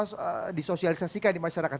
bagaimana anda bisa disosialisasikan di masyarakat